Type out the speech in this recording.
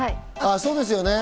そうですよね。